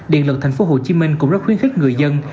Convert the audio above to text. điện lực thành phố hồ chí minh cũng rất khuyến khích người dân